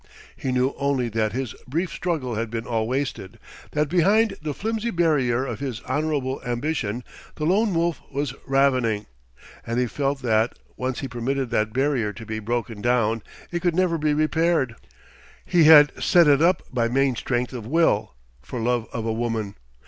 He knew only that his brief struggle had been all wasted, that behind the flimsy barrier of his honourable ambition, the Lone Wolf was ravening. And he felt that, once he permitted that barrier to be broken down, it could never be repaired. He had set it up by main strength of will, for love of a woman.